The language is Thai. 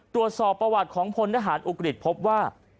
ตรวจสอบประวัติของพลทหารอุกฤษพบว่า